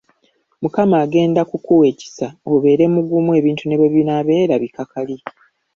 Mukama agenda kukuwa ekisa obeere mugumu ebintu ne bwe binaabeera bikakali.